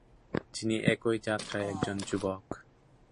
যিনি একই যাত্রায় একজন যুবক।